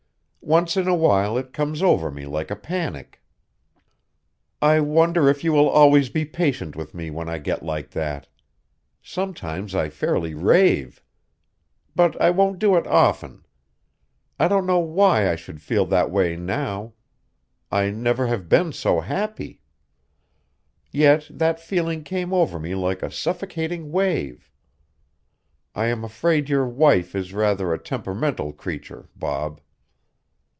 "Once in awhile it comes over me like a panic. I wonder if you will always be patient with me when I get like that. Sometimes I fairly rave. But I won't do it often. I don't know why I should feel that way now. I have never been so happy. Yet that feeling came over me like a suffocating wave. I am afraid your wife is rather a temperamental creature, Bob."